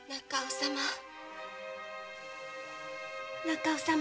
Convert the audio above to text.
中尾様